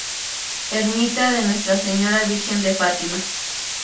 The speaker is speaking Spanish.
Ermita de Nuestra Señora Virgen de Fátima.